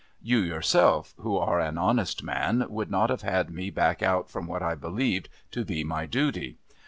You, yourself, who are an honest man, would not have had me back out from what I believed to be my duty.